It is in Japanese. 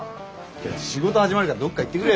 仕事始まるからどっか行ってくれよ。